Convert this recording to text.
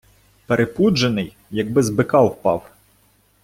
Перепуджений, якби з бика впав.